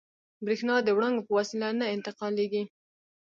برېښنا د وړانګو په وسیله نه انتقالېږي.